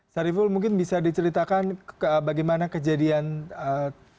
sariful mungkin bisa diceritakan bagaimana kejadian tersebut